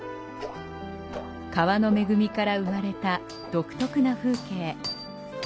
川の恵から生まれた独特な風景。